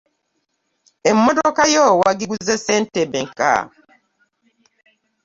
Emmotoka yo wagiguze ssente meka?